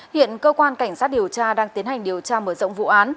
hiện cơ quan cảnh sát điều tra đang tiến hành điều tra mở rộng vụ án